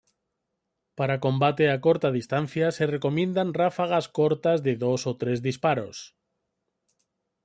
Para combate a corta distancia, se recomiendan ráfagas cortas de dos o tres disparos.